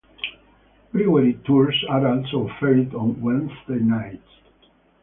Brewery tours are also offered on Wednesday nights.